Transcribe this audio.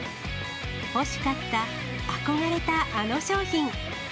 欲しかった憧れたあの商品。